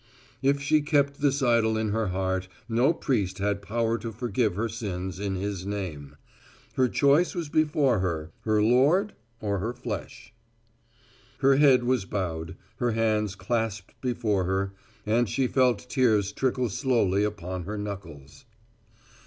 If she kept this idol in her heart, no priest had power to forgive her sins in His name. Her choice was before her, her Lord or her flesh. Her head was bowed, her hands clasped before her, and she felt tears trickle slowly upon her knuckles.